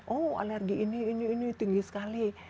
oh alergi ini ini tinggi sekali